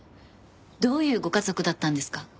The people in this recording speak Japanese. どういうご家族だったんですか？